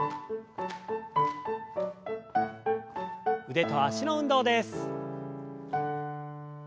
腕と脚の運動です。